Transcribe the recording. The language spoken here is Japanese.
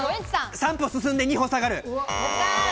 ３歩進んで２歩下がる。